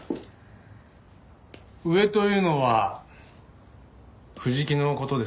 上というのは藤木の事ですかね？